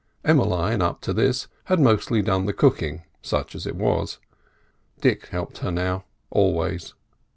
Emmeline, up to this, had mostly done the cooking, such as it was; Dick helped her now, always.